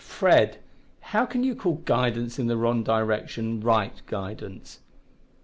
"But Fred, how can you call guidance in the wrong direction right guidance?"